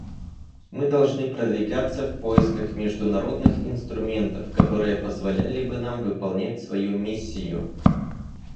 Мы должны продвигаться в поисках международных инструментов, которые позволяли бы нам выполнять свою миссию.